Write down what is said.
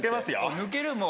抜けるもう？